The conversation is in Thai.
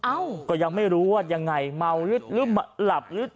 เอ้าก็ยังไม่รู้ว่ายังไงเมาหรือหลับหรือ